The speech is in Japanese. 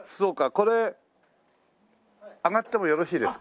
これあがってもよろしいですか？